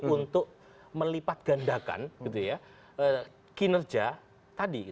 untuk melipat gandakan kinerja tadi